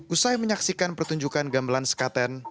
usai menyaksikan pertunjukan gamelan sekaten